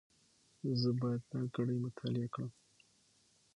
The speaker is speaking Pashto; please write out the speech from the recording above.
زه باید دا ګړې مطالعه کړم.